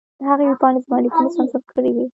هغې ویبپاڼې زما لیکنې سانسور کړې وې.